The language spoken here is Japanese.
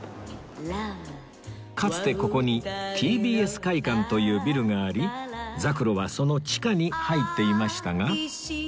かつてここに ＴＢＳ 会館というビルがありざくろはその地下に入っていましたが